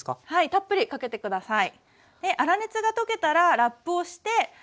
たっぷりかけて下さい。